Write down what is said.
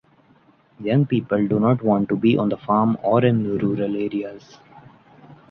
Young people do not want to be on the farm or in rural areas.